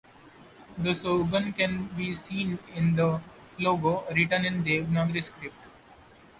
The slogan can be seen in the logo, written in Devanagari script.